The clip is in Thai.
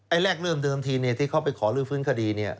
แรกเริ่มเดิมทีที่เขาไปขอลื้อฟื้นคดีเนี่ย